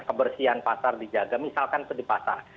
kebersihan pasar dijaga misalkan itu di pasar